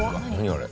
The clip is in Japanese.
あれ。